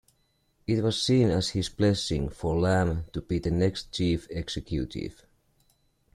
It was seen as his blessing for Lam to be the next Chief Executive.